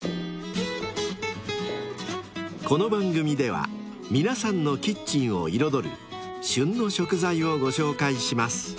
［この番組では皆さんのキッチンを彩る「旬の食材」をご紹介します］